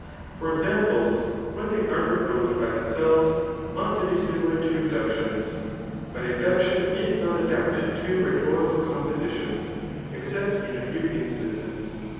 For examples, when they are proposed by themselves, ought to be similar to inductions ; but in* duction is not adapted to rhetorical compoations except in a few instances.